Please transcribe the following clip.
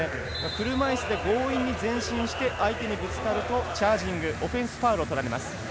車いすで強引に前進して相手にぶつかるとチャージングオフェンスファウルを取られます。